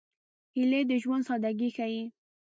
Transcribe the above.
هیلۍ د ژوند سادګي ښيي